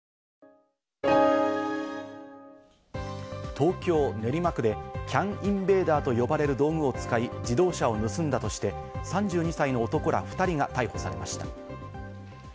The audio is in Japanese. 東京・練馬区でＣＡＮインベーダーと呼ばれる道具を使い、自動車を盗んだとして３２歳の男ら２人が逮捕されました。